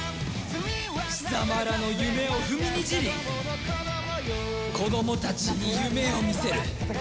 貴様らの夢を踏みにじり子供たちに夢を見せる。